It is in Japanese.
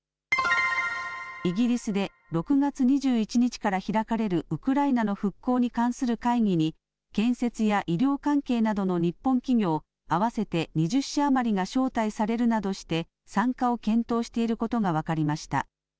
イギリスで６月２１日から開かれるウクライナの復興に関する会議に、建設や医療関係などの日本企業合わせて２０社余りが招待されるなどして、参加を検討していることが分かりました。